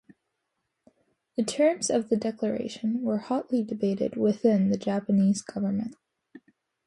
The terms of the declaration were hotly debated within the Japanese government.